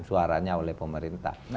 suaranya oleh pemerintah